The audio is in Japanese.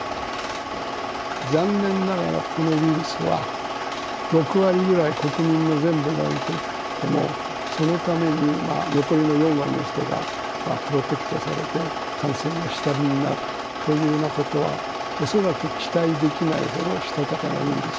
残念ながらこのウイルスは、６割ぐらい、国民の全部が受けても、そのために残りの４割の人がプロテクトされて、感染が下火になるというようなことは、恐らく期待できないほどしたたかなウイルス。